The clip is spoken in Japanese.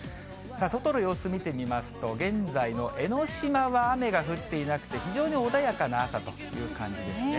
外の様子見てみますと、現在の江の島は雨が降っていなくて、非常に穏やかな朝という感じですね。